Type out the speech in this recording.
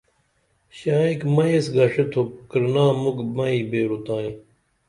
شائیک مئیس گݜیتھوپ کرینا مکھ مئی بیرو تائی